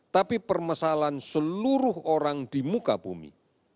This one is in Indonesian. tapi permasalahan seluruh orang di muka bumi